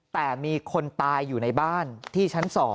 แต่มีคนตายอยู่ในบ้านที่ชั้น๒